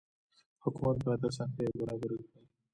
حکومت باید اسانتیاوې برابرې کړي.